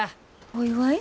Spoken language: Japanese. お祝い？